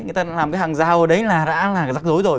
người ta làm cái hàng rào ở đấy là rã là rắc rối rồi